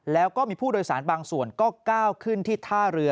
แล้วก็มีผู้โดยสารบางส่วนก็ก้าวขึ้นที่ท่าเรือ